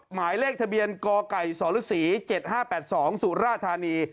หมายเลขทะเบียนกสศ๗๕๘๒สุราฐานี